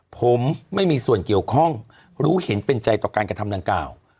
ผมไม่มีส่วนเกี่ยวข้องรู้เห็นเป็นใจต่อการกระทำดังกล่าว